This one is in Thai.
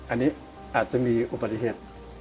อันนี้อาจจะมีอุบัติเหตุ